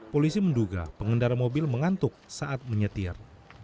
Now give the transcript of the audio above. polisi menduga pengendara mobil mengantuk saat menyetir